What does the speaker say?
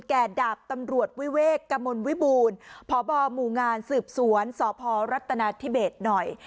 ดาบตำรวจวิเวกกมลวิบูรณ์พบหมู่งานสืบสวนสพรัฐนาธิเบสหน่อย